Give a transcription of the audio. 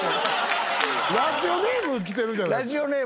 ラジオネームきてるじゃないですか。